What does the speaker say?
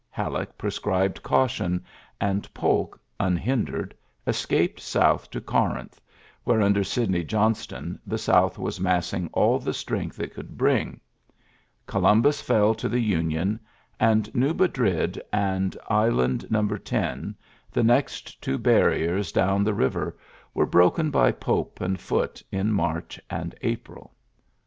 Halleck prescribed caution; and Polk, unhindered, escaped south to Corinth, where under Sidney Johnston the South was massing all the strength it could bring. Columbus fell to the Union ; and New Madrid and Island Ko. 10, the next two barriers down the iiurar^ ^^^H 64 ULYSSES S. GEANT river, were broken by Pope and Foots in March and April.